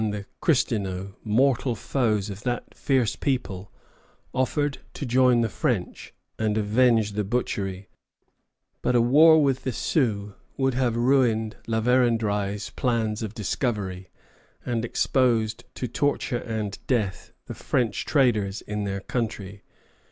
] The Assinniboins and Cristineaux, mortal foes of that fierce people, offered to join the French and avenge the butchery; but a war with the Sioux would have ruined La Vérendrye's plans of discovery, and exposed to torture and death the French traders in their country.